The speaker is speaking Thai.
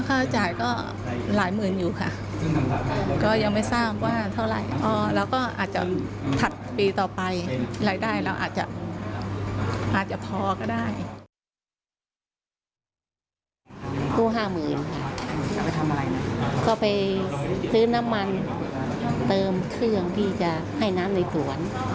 คู่ห้ามืนก็ไปซื้อน้ำมันเติมเครื่องที่จะให้น้ำในสวน